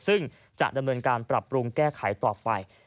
ซึ่งจะดำเนินการปรับปรุงแก้ไขต่อไป